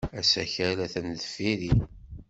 Asakal atan deffir-i.